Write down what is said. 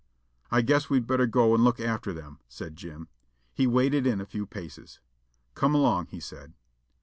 "I guess we'd better go and look after them," said Jim. He waded in a few paces. "Come along," he said.